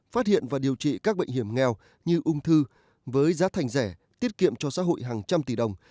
phát hiện và điều trị các bệnh hiểm nghèo như ung thư với giá thành rẻ tiết kiệm cho xã hội hàng trăm tỷ đồng